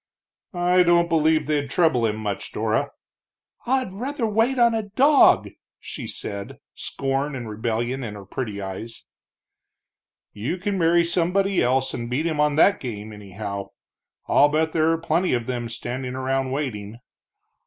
"I don't believe they'd trouble him much, Dora." "I'd rather wait on a dog!" she said, scorn and rebellion in her pretty eyes. "You can marry somebody else and beat him on that game, anyhow. I'll bet there are plenty of them standing around waiting."